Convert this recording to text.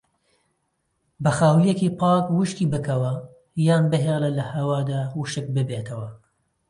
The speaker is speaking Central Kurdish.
بە خاولیەکی پاک وشکی بکەوە یان بهێڵە لەهەوادا وشک ببێتەوە.